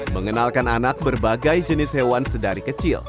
mengenalkan anak berbagai jenis hewan sedari kecil